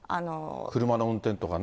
車の運転とかね。